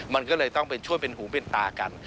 มันก็เลยต้องไปช่วยเป็นหูเป็นตากัน